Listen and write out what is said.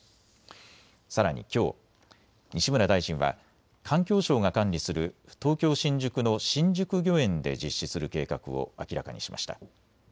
さらにきょう、西村大臣は環境省が管理する東京新宿の新宿御苑で実施する計画を明らかにしました。